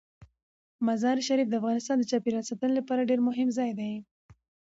مزارشریف د افغانستان د چاپیریال ساتنې لپاره ډیر مهم ځای دی.